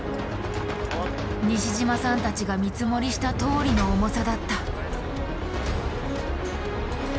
西島さんたちが見積もりしたとおりの重さだった。